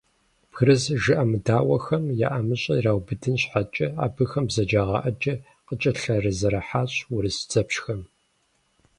«Бгырыс жыӀэмыдаӀуэхэр» я ӀэмыщӀэ ираубыдэн щхьэкӀэ, абыхэм бзаджагъэ Ӏэджэ къыкӀэлъызэрахьащ урыс дзэпщхэм.